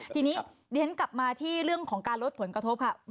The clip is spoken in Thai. ทีนี้เรียนกลับมาที่เรื่องของการลดผลกระทบค่ะ